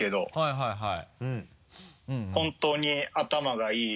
はいはい。